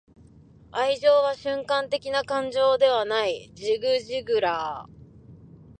愛情は瞬間的な感情ではない.―ジグ・ジグラー―